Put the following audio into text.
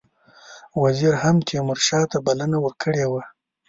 وزیر هم تیمورشاه ته بلنه ورکړې وه.